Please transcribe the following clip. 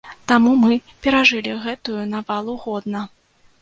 Таму мы перажылі гэтую навалу годна.